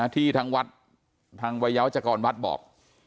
ที่ทางวัดทางวัยยาวัชกรวัดบอก